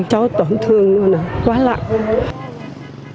cháu tổn thương luôn quá lạnh